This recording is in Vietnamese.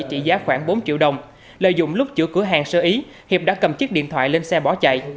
trị giá khoảng bốn triệu đồng lợi dụng lúc chủ cửa hàng sơ ý hiệp đã cầm chiếc điện thoại lên xe bỏ chạy